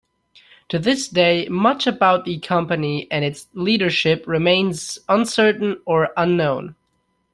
To this day, much about the company and its leadership remains uncertain or unknown.